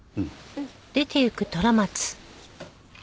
うん。